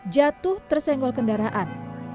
jatuh tersenggol kendaraan